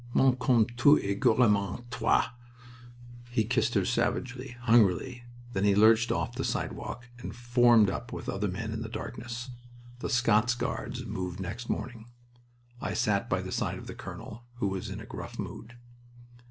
"Mans comme to es gourmand, toi!" He kissed her savagely, hungrily. Then he lurched off the sidewalk and formed up with other men in the darkness. The Scots Guards moved next morning. I stood by the side of the colonel, who was in a gruff mood.